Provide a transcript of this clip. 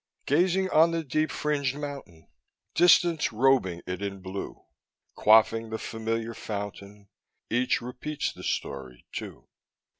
Gazing on the deep fringed mountain, Distance robing it in blue, Quaffing the familiar fountain, Each repeats the story too.